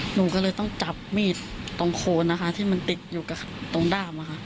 หนูก็เลยต้องจับมีดตรงโคนนะคะที่มันติดอยู่กับตรงด้าม